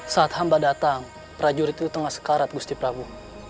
saat hamba datang prajurit itu tengah sekarat gusti prabu